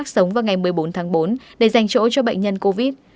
cảnh sát sống vào ngày một mươi bốn tháng bốn để dành chỗ cho bệnh nhân covid